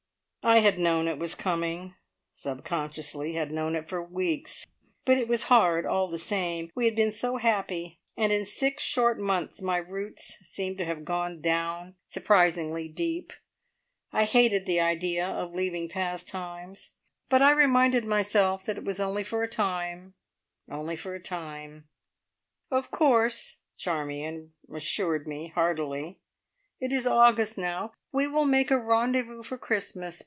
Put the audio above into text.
I had known it was coming subconsciously had known it for weeks, but it was hard all the same. We had been so happy, and in six short months my roots seemed to have gone down surprisingly deep. I hated the idea of leaving "Pastimes," but I reminded myself that it was only for a time only for a time. "Of course" Charmion assured me heartily. "It is August now. We will make a rendezvous for Christmas.